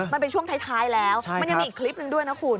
มันเป็นช่วงท้ายแล้วมันยังมีอีกคลิปหนึ่งด้วยนะคุณ